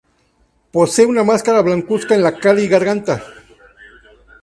Posee una máscara blancuzca en la cara y garganta.